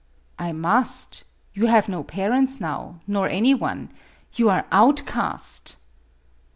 "I must; you have no parents now nor anyone. You are outcast."